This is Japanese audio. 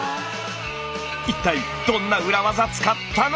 一体どんな裏技使ったの？